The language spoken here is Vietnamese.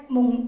mới đến kỳ trả